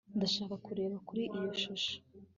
ndashaka kureba kuri iyo shusho